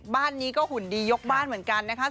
บ้านนี้ก็หุ่นดียกบ้านเหมือนกันนะคะ